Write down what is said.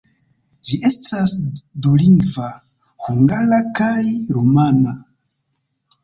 Ĝi estas dulingva: hungara kaj rumana.